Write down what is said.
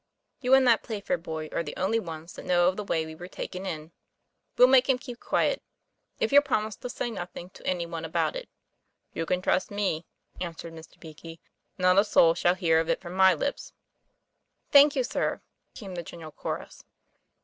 You and that Play fair boy are the only ones that know TOM PLAYFAIR. 195 of the way we were taken in we'll make him keep quiet, if you'll promise to say nothing to any one about it." "You can trust me," answered Mr. Beakey, "not a soul shall hear of it from my lips." 'Thank you, sir," came the general chorus.